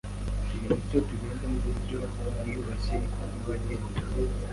Nimucyo tugende mu buryo bwiyubashye v nk abagenda